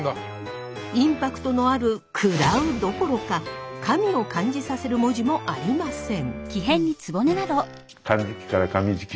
インパクトのある「喰らう」どころか「神」を感じさせる文字もありません。